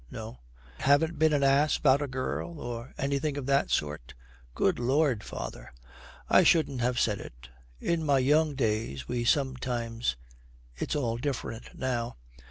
'No.' 'Haven't been an ass about a girl or anything of that sort?'' 'Good lord, father!' 'I shouldn't have said it. In my young days we sometimes It's all different now.'